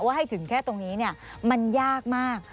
ให้ถึงแค่ตรงนี้มันยากมาก